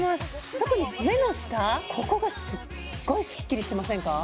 特に目の下ここがすっごいスッキリしてませんか？